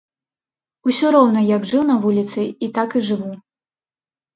Усё роўна як жыў на вуліцы, і так і жыву.